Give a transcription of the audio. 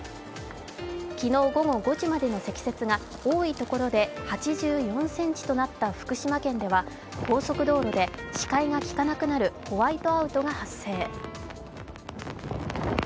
昨日午後５時までの積雪が多い所で８４ｃｍとなった福島県では高速道路で視界が効かなくなるホワイトアウトが発生。